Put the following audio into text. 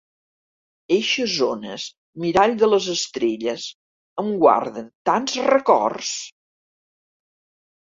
Eixes ones, mirall de les estrelles, em guarden tants records!